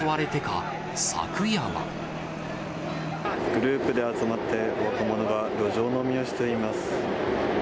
グループで集まって、若者が路上飲みをしています。